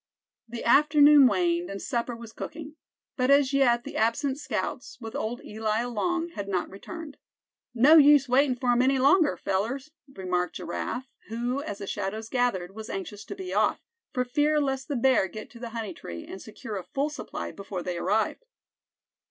The afternoon waned, and supper was cooking; but as yet the absent scouts, with old Eli along, had not returned. "No use waiting for 'em any longer, fellers," remarked Giraffe, who, as the shadows gathered, was anxious to be off, for fear lest the bear get to the honey tree, and secure a full supply before they arrived.